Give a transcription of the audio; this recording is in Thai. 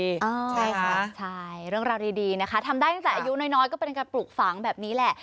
ใช่ค่ะใช่เรื่องราวดีนะคะทำได้ตั้งแต่อายุน้อยก็เป็นการปลูกฝังแบบนี้แหละ